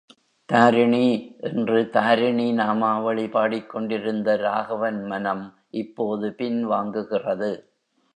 தாரிணி! என்று தாரிணி நாமாவளி பாடிக்கொண்டிருந்த ராகவன் மனம் இப்போது பின் வாங்குகிறது.